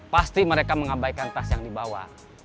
pasti mereka mengabaikan tas yang dibawa